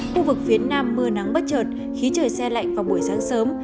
khu vực phía nam mưa nắng bất chợt khiến trời xe lạnh vào buổi sáng sớm